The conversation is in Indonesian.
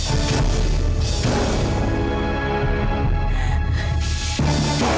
aku juga suka merasa seperti itu nena